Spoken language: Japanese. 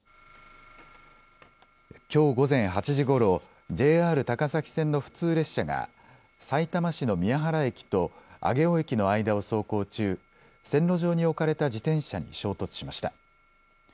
きょう午前８時ごろ、ＪＲ高崎線の普通列車がさいたま市の宮原駅と上尾駅の間を走行中、線路上に置かれた自転車に衝突しました。